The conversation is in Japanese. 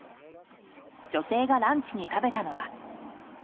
女性がランチに食べたのは。